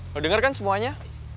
lo dengar kan semuanya